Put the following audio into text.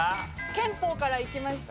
憲法からいきました。